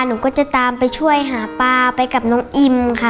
หนูก็จะตามไปช่วยหาปลาไปกับน้องอิ่มค่ะ